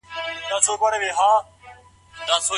زوم ته داسي روحيه ورکړئ چي ته زموږ خپل يې.